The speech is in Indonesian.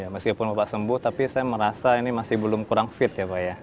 meskipun bapak sembuh tapi saya merasa ini masih belum kurang fit ya pak ya